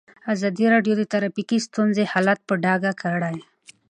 ازادي راډیو د ټرافیکي ستونزې حالت په ډاګه کړی.